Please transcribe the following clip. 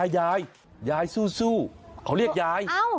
ยายยายสู้เขาเรียกยาย